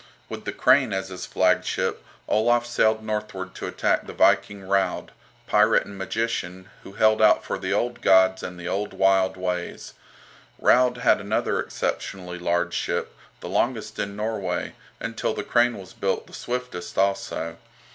With the "Crane" as his flagship, Olaf sailed northward to attack the Viking Raud, pirate and magician, who held out for the old gods and the old wild ways. Raud had another exceptionally large ship, the longest in Norway, and till the "Crane" was built the swiftest also.